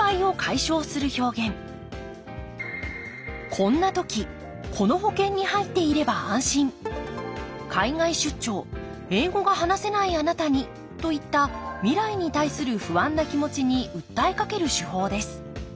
「こんな時この保険に入っていれば安心」「海外出張英語が話せないあなたに！」といった未来に対する不安な気持ちにうったえかける手法です。